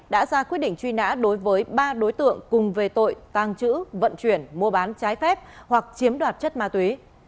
đã ra quyết định truy nã đối với ba đối tượng cùng về tội tàng trữ vận chuyển mua bán trái phép hoặc chiếm đoạt chất ma túy